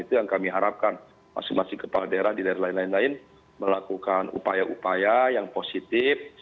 itu yang kami harapkan masing masing kepala daerah di daerah lain lain melakukan upaya upaya yang positif